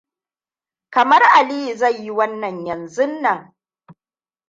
Kamar Aliyua zai yi wannan yanzun nan.